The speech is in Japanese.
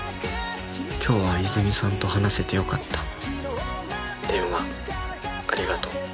今日は泉さんと話せてよかった☎電話ありがとう